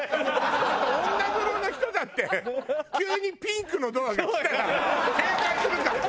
あと女風呂の人だって急にピンクのドアが来たら警戒するからね。